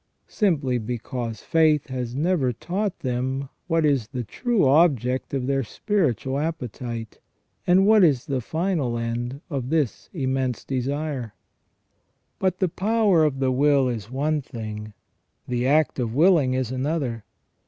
simply because faith has never taught them what is the true object oiF their spiritual appetite, and what is the final end of this immense desire. But the power of the will is one thing, the act of willing is another.